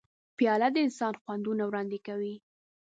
پیاله د انسان خوندونه وړاندې کوي.